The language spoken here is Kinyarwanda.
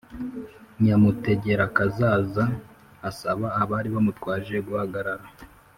Nyamutegerakazaza asaba abari bamutwaje guhagarara.